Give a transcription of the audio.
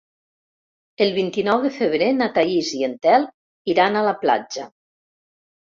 El vint-i-nou de febrer na Thaís i en Telm iran a la platja.